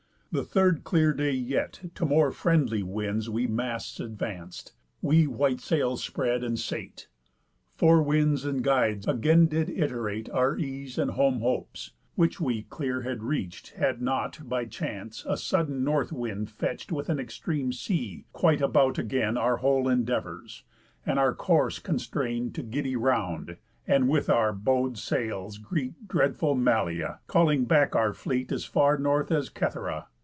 The third clear day yet, to more friendly winds We masts advanc'd, we white sails spread, and sate. Forewinds and guides again did iterate Our ease and home hopes; which we clear had reach'd, Had not, by chance, a sudden north wind fetch'd, With an extreme sea, quite about again Our whole endeavours, and our course constrain To giddy round, and with our bow'd sails greet Dreadful Maleia, calling back our fleet As far forth as Cythera.